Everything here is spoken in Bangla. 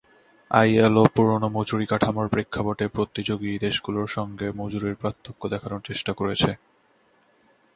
আইএলও পুরোনো মজুরিকাঠামোর প্রেক্ষাপটে প্রতিযোগী দেশগুলোর সঙ্গে মজুরির পার্থক্য দেখানোর চেষ্টা করেছে।